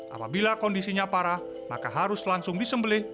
apabila kondisinya parah maka harus langsung disembelih